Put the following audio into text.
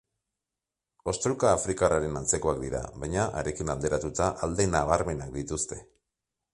Ostruka afrikarraren antzekoak dira, baina, harekin alderatuta, alde nabarmenak dituzte.